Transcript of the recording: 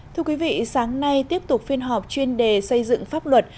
thưa quý vị sáng nay tiếp tục phiên họp chuyên đề xây dựng pháp luật